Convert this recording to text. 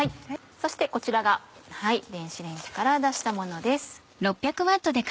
そしてこちらが電子レンジから出したものです。